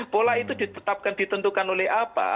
pola itu ditetapkan ditentukan oleh apa